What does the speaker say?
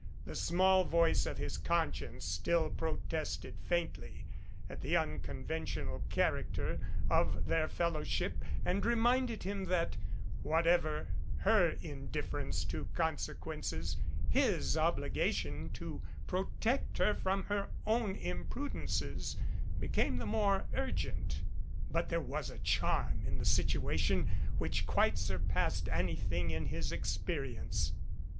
The small voice of his conscience still protested faintly at the unconventional character of their fellowship and re minded him that, whatever her indifference to conse quences, his obligation to protect her from her own im prudences became the more urgent. But there was a charm in the situation which quite surpassed anything in his experience.